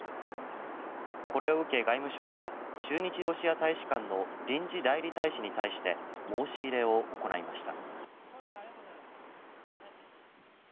これを受け、外務省は駐日ロシア大使館の臨時代理大使に対して申し入れを行いました。